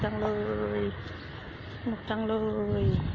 สนุกเลยสนุกจังเลย